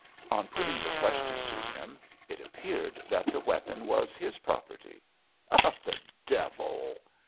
On putting the question to him, it appeared that the weapon was his property ' 'The devil!'